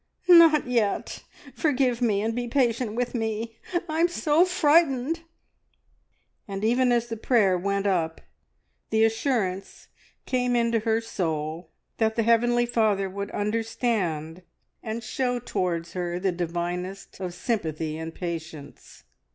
"Not yet! Forgive me, and be patient with me. I'm so frightened!" and even as the prayer went up, the assurance came into her soul that the Heavenly Father would understand, and show towards her the divinest of sympathy and patience.